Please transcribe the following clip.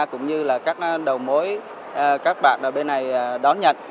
cũng như là các đầu mối các bạn ở bên này đón nhận